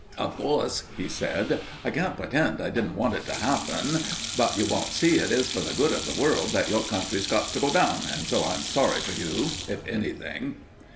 "Of course," he said, "I can't pretend I didn't want it to happen; but you won't see it is for the good of the world that your country's got to go down. And so I'm sorry for you, if anything."